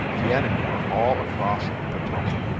The enemy are all across the Potomac.